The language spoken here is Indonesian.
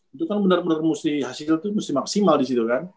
itu kan benar benar mesti hasil itu mesti maksimal di situ kan